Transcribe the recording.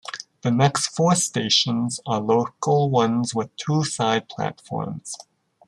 The next four stations are local ones with two side platforms.